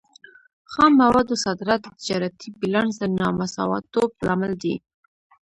خام موادو صادرات د تجارتي بیلانس د نامساواتوب لامل دی.